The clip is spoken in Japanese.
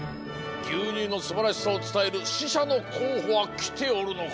ぎゅうにゅうのすばらしさをつたえるししゃのこうほはきておるのか？